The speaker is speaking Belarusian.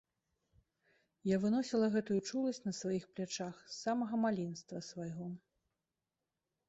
Я выносіла гэтую чуласць на сваіх плячах з самага маленства свайго.